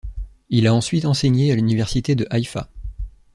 Il a ensuite enseigné à l'université de Haïfa.